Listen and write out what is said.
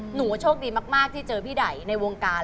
หนูว่าโชคดีมากที่เจอพี่ไดในวงการ